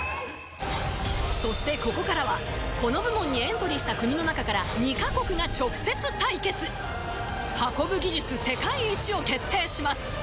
そしてここからはこの部門にエントリーした国の中から２カ国が直接対決運ぶ技術世界一を決定します